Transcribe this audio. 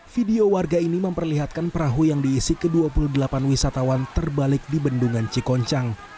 video warga ini memperlihatkan perahu yang diisi ke dua puluh delapan wisatawan terbalik di bendungan cikoncang